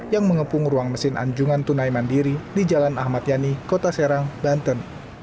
yang mengepung ruang mesin anjungan tunai mandiri di jalan ahmad yani kota serang banten